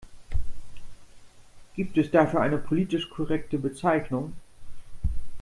Gibt es dafür eine politisch korrekte Bezeichnung?